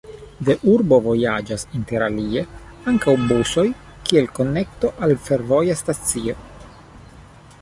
De urbo vojaĝas interalie ankaŭ busoj kiel konekto al fervoja stacio.